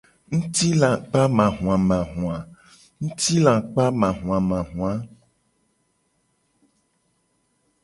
Ngutilakpamahuamahua.